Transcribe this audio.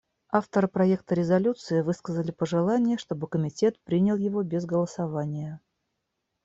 Авторы проекта резолюции высказали пожелание, чтобы Комитет принял его без голосования.